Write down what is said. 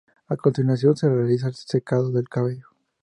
A continuación se realiza el secado del cabello.